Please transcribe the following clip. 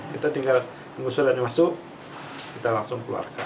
kita tinggal pengungsi lainnya masuk kita langsung keluarkan